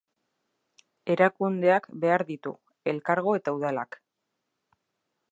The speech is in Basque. Erakundeak behar ditu, elkargo eta udalak.